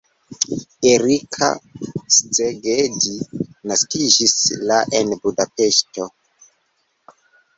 Erika Szegedi naskiĝis la en Budapeŝto.